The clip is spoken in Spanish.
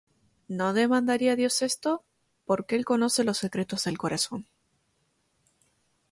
¿No demandaría Dios esto? Porque él conoce los secretos del corazón.